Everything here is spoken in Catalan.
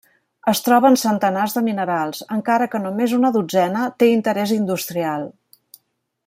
Es troba en centenars de minerals, encara que només una dotzena té interés industrial.